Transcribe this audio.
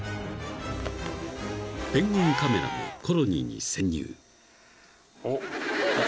［ペンギンカメラもコロニーに潜入］